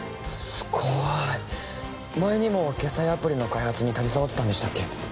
すごい前にも決済アプリの開発に携わってたんでしたっけ？